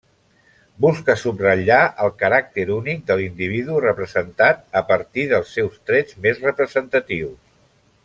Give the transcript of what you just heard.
Busca subratllar el caràcter únic de l'individu representat a partir dels seus trets més representatius.